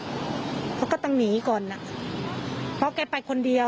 แล้วก็เอาปืนยิงจนตายเนี่ยมันก็อาจจะเป็นไปได้จริง